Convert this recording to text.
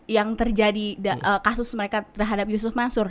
yang terjadi kasus mereka terhadap yusuf mansur